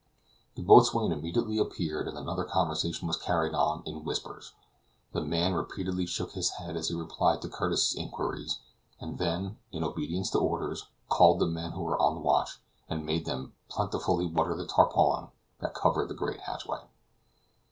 The boatswain immediately appeared, and another conversation was carried on in whispers. The man repeatedly shook his head as he replied to Curtis's inquiries, and then, in obedience to orders, called the men who were on watch, and made them plentifully water the tarpauling that covered the great hatchway.